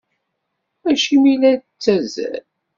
Acimi i la nettazzal?